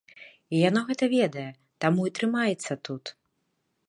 І яно гэта ведае, таму і трымаецца тут.